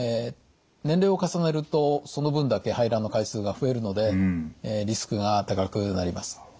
年齢を重ねるとその分だけ排卵の回数が増えるのでリスクが高くなります。